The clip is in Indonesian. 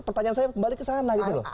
pertanyaan saya kembali ke sana gitu loh